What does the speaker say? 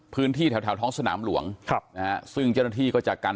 พื้นที่แถวแถวท้องสนามหลวงครับนะฮะซึ่งเจ้าหน้าที่ก็จะกัน